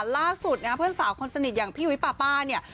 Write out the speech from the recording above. ลาบทสุดเพื่อนสาวคนสนิทอย่างพี่วิปป้านี่